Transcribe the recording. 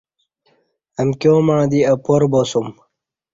امکیامع دی اپار باسوم